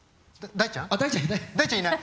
大ちゃんいない。